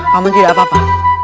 paman tidak apa apa